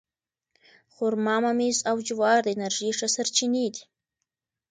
خرما، ممیز او جوار د انرژۍ ښه سرچینې دي.